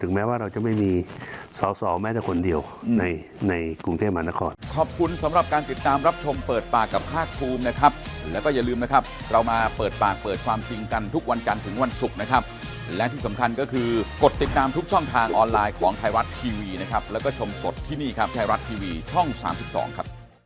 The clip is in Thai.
แม้ว่าเราจะไม่มีสอสอแม้แต่คนเดียวในกรุงเทพมหานคร